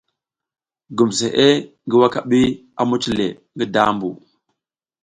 Gumsʼe ngi wakabi a muc le ngi dambu.